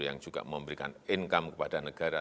yang juga memberikan income kepada negara